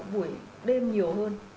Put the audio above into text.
bữa đêm nhiều hơn